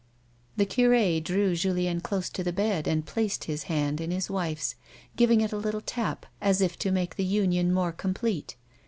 " The cure drew Julien close to the bed and placed his hand in his wife's, giving it a little tap as if to make the union more complete.